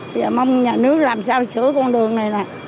bây giờ mong nhà nước làm sao sửa con đường này nè